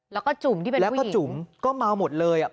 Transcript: แล้วก็จุ่มที่เป็นแล้วก็จุ๋มก็เมาหมดเลยอ่ะ